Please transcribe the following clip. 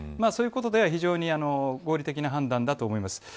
そういうことでは非常に合理的な判断だと思います。